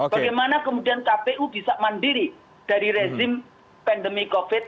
bagaimana kemudian kpu bisa mandiri dari rezim pandemi covid sembilan